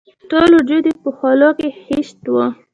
ټول وجود یې په خولو کې خیشت وو.